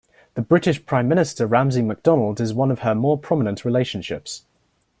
The British Prime Minister Ramsay MacDonald is one of her more prominent relationships.